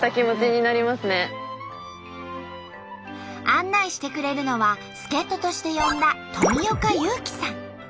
案内してくれるのは助っ人として呼んだ富岡勇樹さん。